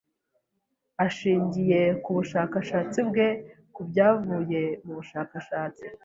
Ashingiye ku bushakashatsi bwe ku byavuye mu bushakashatsi.